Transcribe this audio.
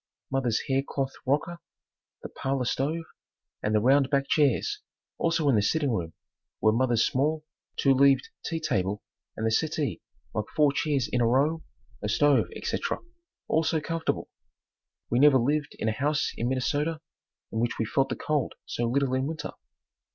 Mother's hair cloth rocker, the parlor stove and the round back chairs, also in the sitting room were mother's small two leaved tea table and the settee like four chairs in a row, a stove, etc., all so comfortable. We never lived in a house in Minnesota in which we felt the cold so little in winter.